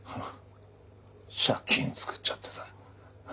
借金つくっちゃってさ。